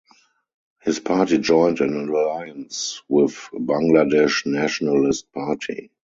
His party joined an alliance with Bangladesh Nationalist Party.